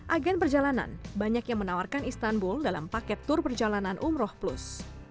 agen perjalanan banyak yang menawarkan istanbul dalam paket tur perjalanan umroh plus